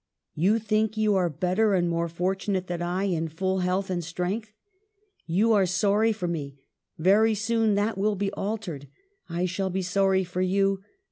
You think you are better and more fortunate than I, in full health and strength ; you are sorry for me — very soon that will be altered. I shall be sorry for you.